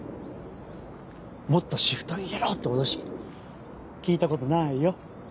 もっとシフト入れろって脅し聞いたことないよ